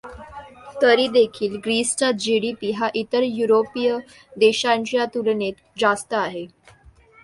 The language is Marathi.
तरी देखील ग्रीसचा जी. डी. पी हा इतर युरोपीय देशांच्या तुलनेत जास्त आहे.